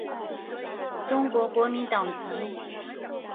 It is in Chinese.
中国国民党籍。